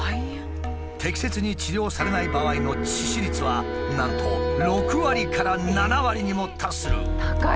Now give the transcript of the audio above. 適切に治療されない場合の致死率はなんと６割から７割にも達する。